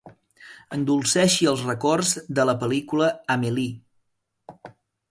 Endolceixi els records de la pel·lícula “Amélie”.